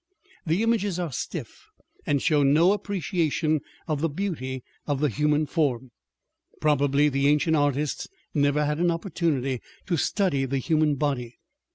The images are stiff and show no appreciation of the beauty of the human form. Probably the ancient artists never had an opportunity to study the human body.